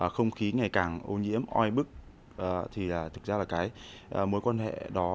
không khí ngày càng ô nhiễm oi bức thì thực ra là cái mối quan hệ đó